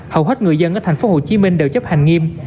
hầu hết người dân ở thành phố hồ chí minh đều chấp hành nghiêm